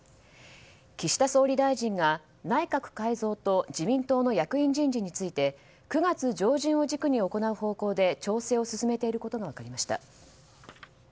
岸田総理大臣が内閣改造と自民党の役員人事について９月上旬を軸に行う方向で調整を進めていることが分かりました。